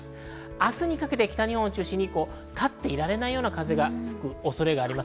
明日にかけて北日本を中心に立っていられないような風が吹く恐れがあります。